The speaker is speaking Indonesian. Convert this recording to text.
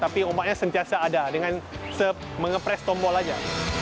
tapi ombaknya sentiasa ada dengan mengepres tombol aja